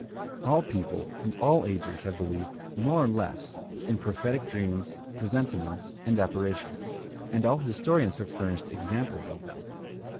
All people and all ages have believed, more or less, in prophetic dreams, presentiments, and apparitions; and all historians have furnished examples of them.